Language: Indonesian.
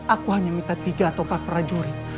aku hanya minta tiga atau empat prajurit